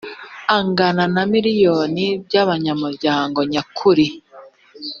angana na miliyoni by’abanyamuryango nyakuri